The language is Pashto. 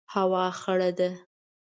هوا خړه ده